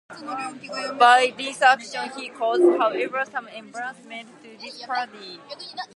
By this action he caused, however, some embarrassment to his party.